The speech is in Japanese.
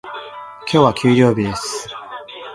今日は給料日です。